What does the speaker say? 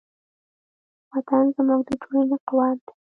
وطن زموږ د ټولنې قوت دی.